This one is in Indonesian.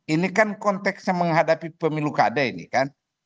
ini kan konteksnya menghadapi pemilu kada ini kan